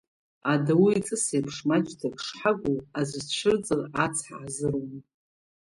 Адау иҵысеиԥш, маҷӡак шҳагу, аӡә дцәырҵыр ацҳа ҳзыруам…